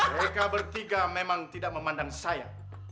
mereka bertiga memang tidak memandang saya